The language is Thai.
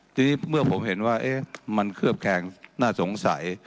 ทีนี้เมื่อผมเห็นว่ามันเคลือบแคงน่าสงสัย